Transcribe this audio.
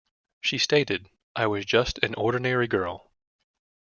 She stated, I was just an ordinary girl.